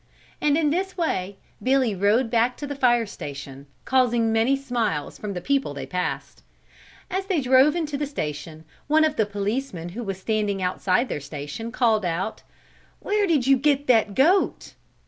And in this way Billy rode back to the fire station, causing many smiles from the people they passed. As they drove into the station one of the policemen who was standing outside their station called out, "Where did you get that goat?"